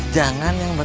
jangan yang berharga